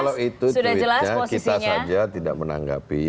kalau itu tweetnya kita saja tidak menanggapi